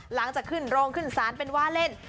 หลังจากขึ้นโรงขึ้นศาลเป็นว่าเล่น